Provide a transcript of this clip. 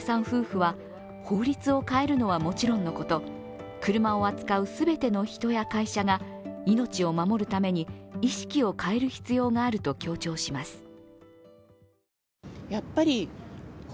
夫婦は、法律を変えるのはもちろんのこと、車を扱う全ての人や会社が命を守るために意識を変える必要があると強調します。